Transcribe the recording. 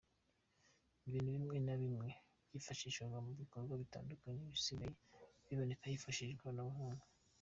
Ibintu bimwe na bimwe byifashishwaga mu bikorwa bitandukanye bisigaye biboneka hifashishijwe ikoranabuhanga